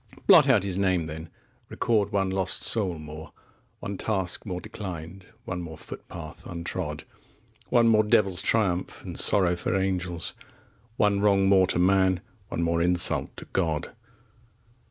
20 Blot out his name, then, record one lost soul more, One task more declined, one more footpath untrod, One more devils' triumph and sorrow for angels, One wrong more to man, one more insult to God!